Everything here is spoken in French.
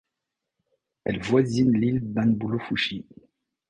Elle voisine l'île d'Enbulufushi.